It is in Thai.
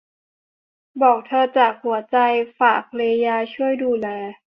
บอกเธอจากหัวใจ ฝากเรยาช่วยดูแล